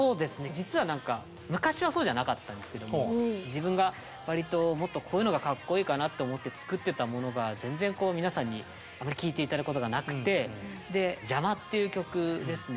実は何か昔はそうじゃなかったんですけど自分が割ともっとこういうのがかっこいいかなと思って作ってたものが全然皆さんにあまり聴いて頂くことがなくてで「邪魔」っていう曲ですね